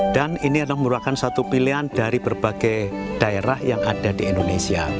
dan ini merupakan satu pilihan dari berbagai daerah yang ada di indonesia